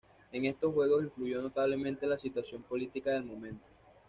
En estos juegos influyó notablemente la situación política del momento.